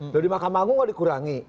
dari makam agung nggak dikurangi